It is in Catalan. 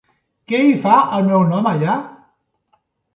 Què hi fa el meu nom allà?